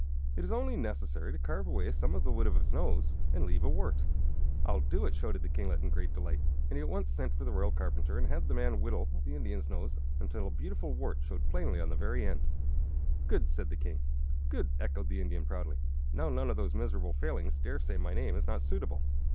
It is only necessary to carve away some of the wood of his nose, and leave a wart." "I'll do it!" shouted the kinglet, in great delight. And he at once sent for the Royal Carpenter and had the man whittle the Indian's nose until a beautiful wart showed plainly on the very end. "Good!" said the King. "Good!" echoed the Indian, proudly. "Now none of those miserable Failings dare say my name is not suitable!"